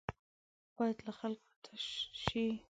بايد له خلکو تش شي.